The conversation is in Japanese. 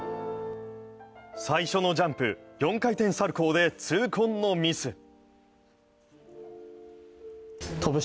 最初のジャンプ、４回転サルコウで痛恨のミス。